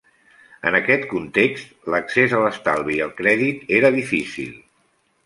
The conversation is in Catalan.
En aquest context, l'accés a l'estalvi i al crèdit era difícil.